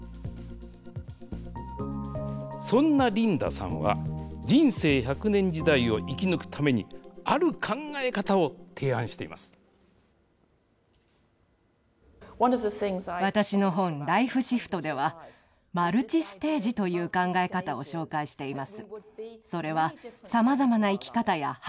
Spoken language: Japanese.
そんなリンダさんは、人生１００年時代を生き抜くために、ある考私の本、ＬＩＦＥＳＨＩＦＴでは、マルチステージという考え方を紹介しています。